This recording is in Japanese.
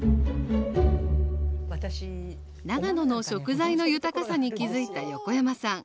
長野の食材の豊かさに気づいた横山さん。